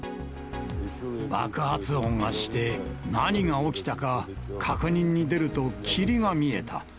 爆発音がして、何が起きたか確認に出ると霧が見えた。